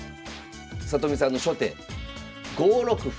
里見さんの初手５六歩。